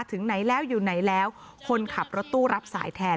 ถึงไหนแล้วอยู่ไหนแล้วคนขับรถตู้รับสายแทน